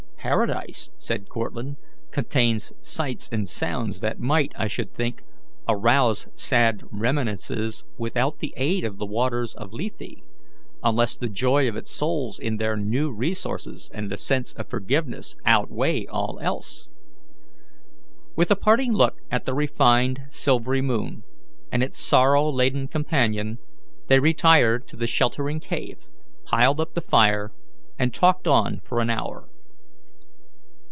"Paradise," said Cortlandt, "contains sights and sounds that might, I should think, arouse sad reminiscences without the aid of the waters of Lethe, unless the joy of its souls in their new resources and the sense of forgiveness outweigh all else." With a parting look at the refined, silvery moon, and its sorrow laden companion, they retired to the sheltering cave, piled up the fire, and talked on for an hour.